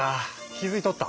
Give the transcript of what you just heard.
気付いとった？